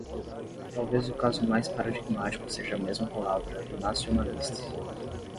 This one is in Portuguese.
Talvez o caso mais paradigmático seja a mesma palavra "nacionalista".